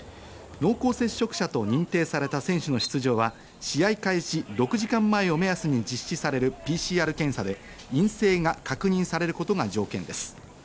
濃厚接触者と認定された選手の出場は試合開始６時間前を目安に実施されるＰＣＲ検査で陰性が確認されることが条件です。